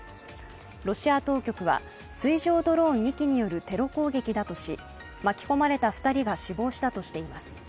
ロシア当局は水上ドローン２機によるテロ攻撃だとし、巻き込まれた２人が死亡したとしています。